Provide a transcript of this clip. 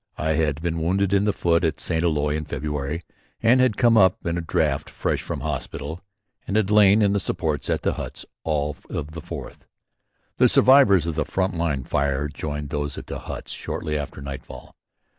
I had been wounded in the foot at St. Eloi in February and had come up in a draft fresh from hospital and had lain in the supports at the huts all of the Fourth. The survivors of the front line fire joined those at the huts shortly after nightfall.